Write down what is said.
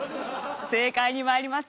正解にまいります。